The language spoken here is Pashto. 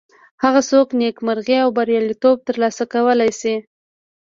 هغه څوک نیکمرغي او بریالیتوب تر لاسه کولی شي.